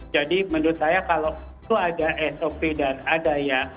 jadi menurut saya kalau itu ada sop dan ada ya